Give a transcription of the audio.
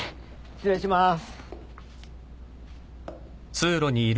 失礼します。